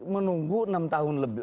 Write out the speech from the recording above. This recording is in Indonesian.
menunggu enam tahun